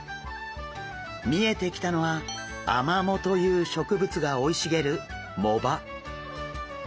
見えてきたのはアマモという植物が生い茂る藻場。